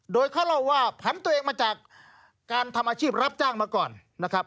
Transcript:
โดยเขาเล่าว่าผันตัวเองมาจากการทำอาชีพรับจ้างมาก่อนนะครับ